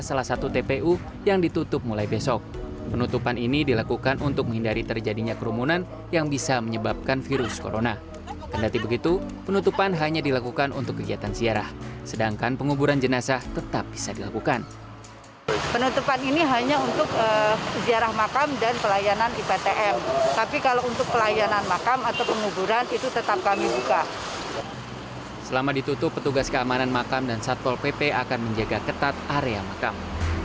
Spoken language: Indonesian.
selama ditutup petugas keamanan makam dan satpol pp akan menjaga ketat area makam